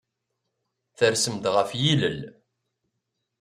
Tersem-d ɣef yilel.